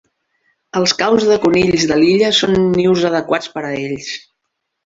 Els caus de conills de l'illa són nius adequats per a ells.